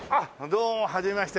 どうもはじめまして。